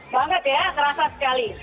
banget ya terasa sekali